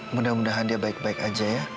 mudah mudahan dia baik baik aja ya